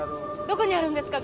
どこにあるんですか？